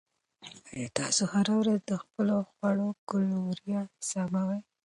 آیا تاسو هره ورځ د خپلو خواړو کالوري حسابوئ؟